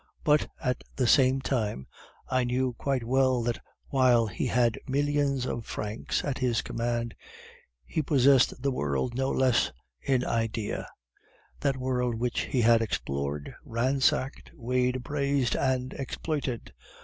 But, at the same time, I knew quite well that while he had millions of francs at his command, he possessed the world no less in idea that world which he had explored, ransacked, weighed, appraised, and exploited.